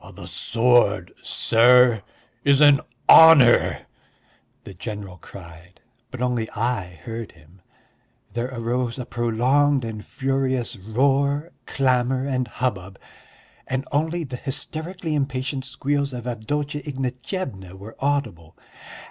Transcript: "The sword, sir, is an honour," the general cried, but only I heard him. There arose a prolonged and furious roar, clamour, and hubbub, and only the hysterically impatient squeals of Avdotya Ignatyevna were audible.